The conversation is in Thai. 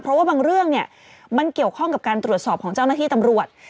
เพราะว่าบางเรื่องเนี่ยมันเกี่ยวข้องกับการตรวจสอบของเจ้าหน้าที่ตำรวจ